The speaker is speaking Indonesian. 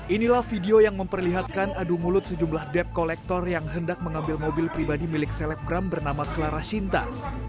inilah video yang memperlihatkan adu mulut sejumlah debt collector yang hendak mengambil mobil pribadi milik selebgram bernama clara sinta